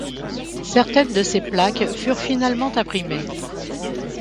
Certaines de ces plaques furent finalement imprimées.